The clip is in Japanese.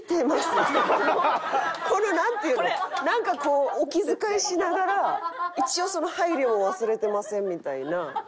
このなんていうのなんかこうお気遣いしながら一応配慮を忘れてませんみたいな。